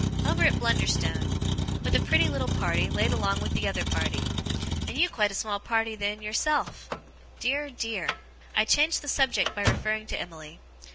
Over at Blunderstone. With a pretty little party laid along with the other party. And you quite a small party then, yourself. Dear, dear!' I changed the subject by referring to Emily.